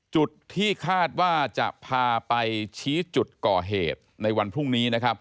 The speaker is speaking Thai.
จุดที่คาดว่าจะพาไปชี้จุดก่อเหตุในวันพรุ่งนี้นะครับ